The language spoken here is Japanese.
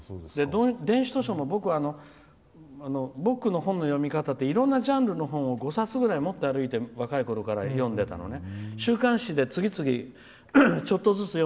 電子図書も僕の本の読み方っていろんなジャンルの本を５冊くらい持って歩いて若いころから読んでたのね。